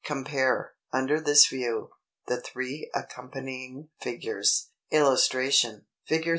Compare, under this view, the three accompanying figures. [Illustration: Fig.